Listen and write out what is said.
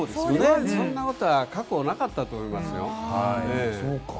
そんなことは過去、なかったと思いますよ。